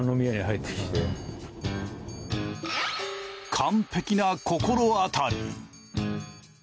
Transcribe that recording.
完璧な心当たり。